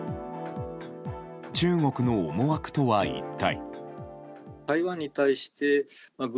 中国の思惑とは一体。